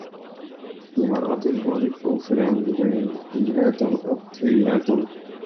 Ni har alltid varit oföränderligheten och tryggheten.